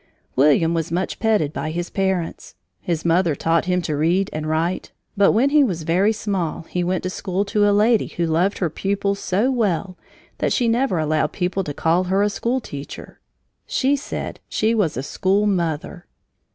William was much petted by his parents. His mother taught him to read and write, but when he was very small he went to school to a lady who loved her pupils so well that she never allowed people to call her a school teacher she said she was a school mother.